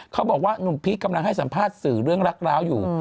เขาบอกว่าหนุ่มพีคกำลังให้สัมภาษณ์สื่อเรื่องรักร้าวอยู่